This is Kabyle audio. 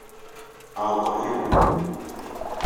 Ɛerḍeɣ yiwen.